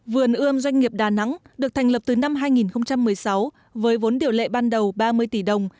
vườn ươm doanh nghiệp đà nẵng được thành lập từ năm hai nghìn một mươi sáu với vốn điều lệ ban đầu ba mươi tỷ đồng